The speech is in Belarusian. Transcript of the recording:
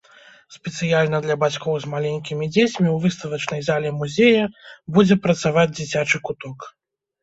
Спецыяльна для бацькоў з маленькімі дзецьмі, у выставачнай зале музея будзе працаваць дзіцячы куток.